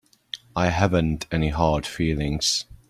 I haven't any hard feelings.